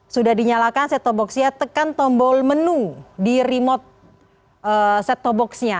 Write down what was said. sudah dinyalakan set top boxnya tekan tombol menu di remote set top box nya